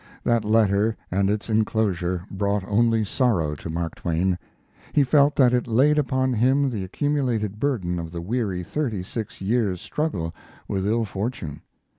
That letter and its inclosure brought only sorrow to Mark Twain. He felt that it laid upon him the accumulated burden of the weary thirty six years' struggle with ill fortune.